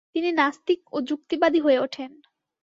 তিনি নাস্তিক ও যুক্তিবাদী হয়ে ওঠেন।